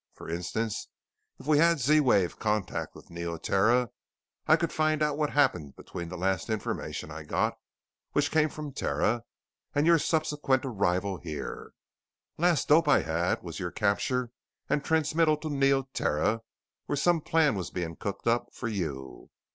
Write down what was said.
For instance, if we had Z wave contact with Neoterra I could find out what happened between the last information I got which came from Terra and your subsequent arrival here. Last dope I had was your capture and transmittal to Neoterra where some plan was being cooked up for you.